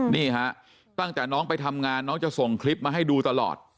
นี่ฮะตั้งแต่น้องไปทำงานน้องจะส่งคลิปมาให้ดูตลอด